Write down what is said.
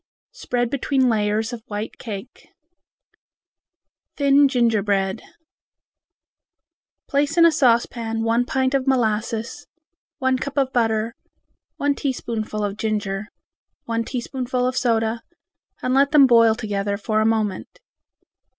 Spread between layers of white cake. Thin Gingerbread Place in a saucepan one pint of molasses, one cup of butter, one teaspoonful of ginger, one teaspoonful of soda, and let them boil together for a moment.